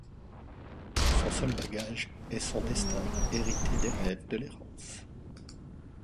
Son seul bagage est son destin hérité des rêves de l'errance.